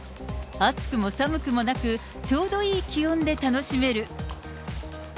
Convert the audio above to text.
暑くも寒くもなく、ちょうどいい気温で楽しめる。